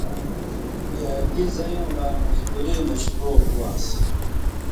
گیۡ زَیؤں لا مجبُوری نہ شروع ہُو وان٘س